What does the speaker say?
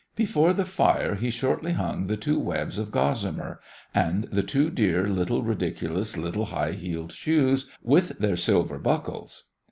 Before the fire he shortly hung the two webs of gossamer and the two dear little ridiculous little high heeled shoes, with their silver buckles.